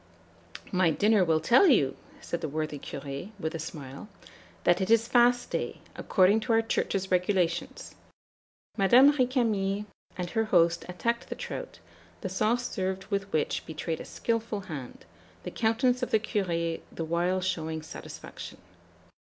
"'My dinner will tell you,' said the worthy Curé, with a smile, 'that it is fast day, according to our Church's regulations.' Madame Récamier and her host attacked the trout, the sauce served with which betrayed a skilful hand, the countenance of the Curé the while showing satisfaction.